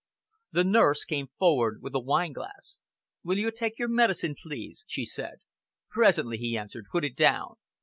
The nurse came forward with a wineglass. "Will you take your medicine, please?" she said. "Presently," he answered, "put it down."